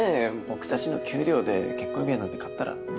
僕たちの給料で結婚指輪なんて買ったら。